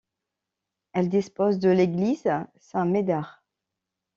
Elle dispose de l'église Saint-Médard.